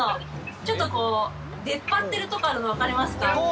ちょっと出っ張ってるところあるのわかりますか？